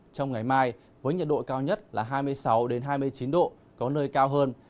trong ngày mai với nhiệt độ cao nhất là hai mươi sáu hai mươi chín độ có nơi cao hơn